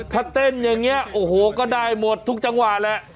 ถ้าเต้นอย่างนี้โอ้โหก็ได้หมดทุกจังหวะแหละ